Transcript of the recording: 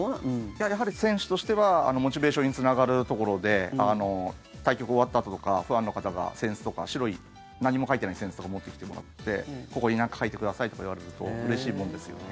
やはり選手としてはモチベーションにつながるところで対局終わったあととかファンの方が扇子とか白い何も書いてない扇子とか持ってきてもらってここになんか書いてくださいとか言われるとうれしいもんですよね。